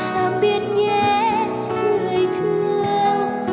đã biết nhé người thương